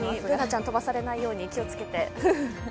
Ｂｏｏｎａちゃん、飛ばされないように気をつけて。